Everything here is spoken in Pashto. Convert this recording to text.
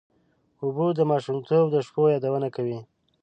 اوبه د ماشومتوب د شپو یادونه کوي.